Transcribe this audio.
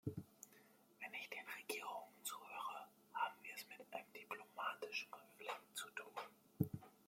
Wenn ich den Regierungen zuhöre, haben wir es mit einem diplomatischen Konflikt zu tun.